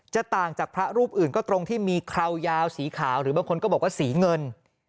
ต่างจากพระรูปอื่นก็ตรงที่มีคราวยาวสีขาวหรือบางคนก็บอกว่าสีเงิน